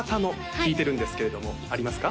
聞いてるんですけれどもありますか？